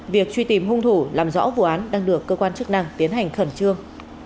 việc truy tìm hung thủ làm rõ vụ án đang được cơ quan chức năng tiến hành khẩn trương